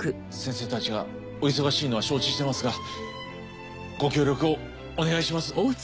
先生たちがお忙しいのは承知していますがご協力をお願いします。